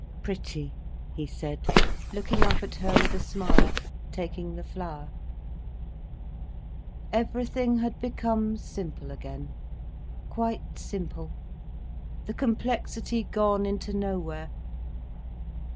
"Pretty!" he said, looking up at her with a smile, taking the flower. Everything had become simple again, quite simple, the complexity gone into nowhere.